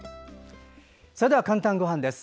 それでは「かんたんごはん」です。